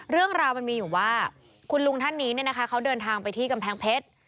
เรื่องราวมันมีอยู่ว่าคุณลุงท่านนี้กำแพงเพชต์